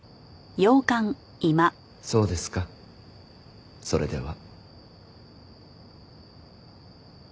そうですかそれでは。